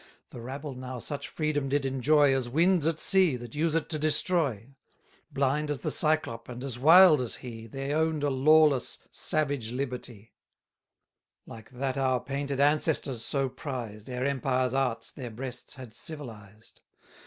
The rabble now such freedom did enjoy, As winds at sea, that use it to destroy: Blind as the Cyclop, and as wild as he, They own'd a lawless, savage liberty; Like that our painted ancestors so prized, Ere empire's arts their breasts had civilized.